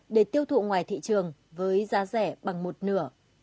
để tiêu thụ ngoài thị trường với giá rẻ bằng một nửa